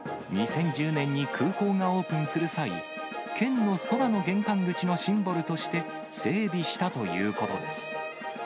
２０１０年に空港がオープンする際、県の空の玄関口のシンボルとして整備したということです。